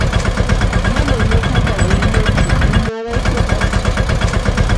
Manan nuqaqa riymanchu imaraykupas